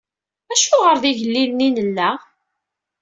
Acuɣer d igellilen i nella?